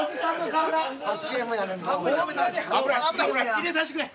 入れさしてくれ。